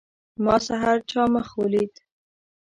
ما سحر چا مخ ولید.